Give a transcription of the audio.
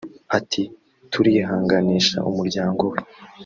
Ati “Turihanganisha umuryango we